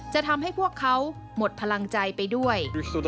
จะทำให้พวกเขาหมดพลังใจไปด้วย